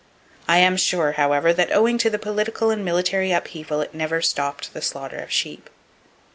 I am sure, however, that owing to the political and military upheaval it never stopped the slaughter of sheep.